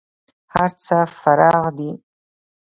هرڅه فرع دي.